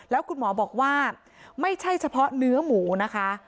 แล้วคุณหมอบอกว่าไม่ใช่เฉพาะเนื้อหมูนะคะ